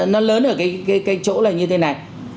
nó lớn ở cái chỗ này như thế này